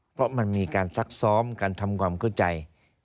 เพราะมันมีการซักซ้อมการทำความเข้าใจ